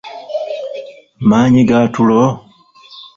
Maanyi ga tulo?